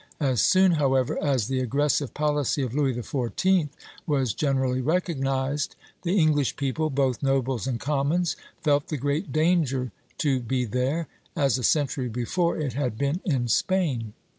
As soon, however, as the aggressive policy of Louis XIV. was generally recognized, the English people, both nobles and commons, felt the great danger to be there, as a century before it had been in Spain.